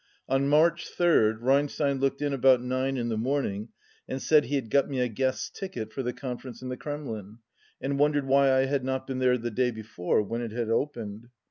On March 3rd Rein stein looked in about nine in the morning and said he had got me a guest's ticket for the conference in the Kremlin, and wondered why I had not been there the day before, when it had opened.